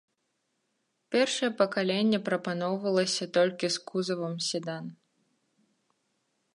Першае пакаленне прапаноўвалася толькі з кузавам седан.